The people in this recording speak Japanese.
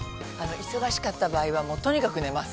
◆忙しかった場合はとにかく寝ます。